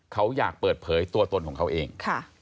เขาอยากเปิดเผยตัวตนของเขาเอง